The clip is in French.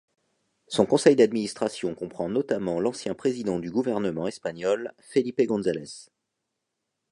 Son conseil d'administration comprend notamment l'ancien président du gouvernement espagnol Felipe González.